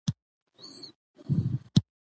د درملو د تولید فابریکې روغتیايي لګښتونه کموي.